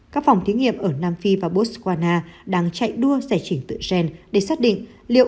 các phòng thí nghiệm ở nam phi và botswana đang chạy đua giải trình tự gen để xác định liệu